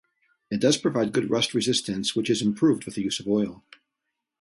It does provide good rust resistance which is improved with the use of oil.